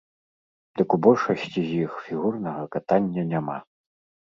Дык у большасці з іх фігурнага катання няма.